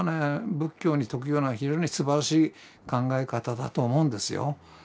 仏教に特有な非常にすばらしい考え方だと思うんですよ。